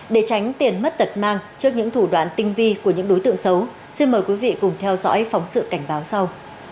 để tránh tiền mất tật mang trước những thủ đoạn tinh vi của những đối tượng xấu xin mời quý vị cùng theo dõi phóng sự cảnh báo sau